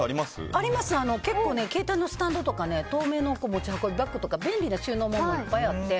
あります、結構携帯のスタンドとか透明の持ち運びバッグとか便利な収納のやついっぱいあって。